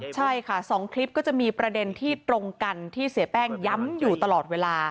ใช่ค่ะ๒คลิปก็จะมีประเด็นที่ตรงกันที่เสียแป้งย้ำอยู่ตลอดเวลา